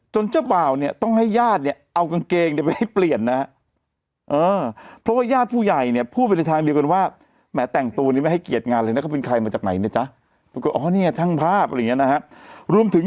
จนเจ้าเป่าต้องให้ญาติเอากางเกงไปให้เปลี่ยน